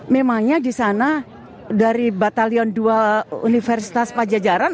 memangnya di sana dari batalion dua universitas pajajaran